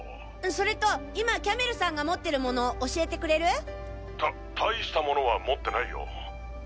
それと今キャメルさんが持ってる物教えてくれる？た大した物は持ってないよ。